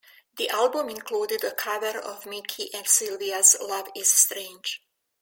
The album included a cover of Mickey and Sylvia's "Love Is Strange".